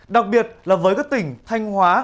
đặc biệt là với các tỉnh thanh hóa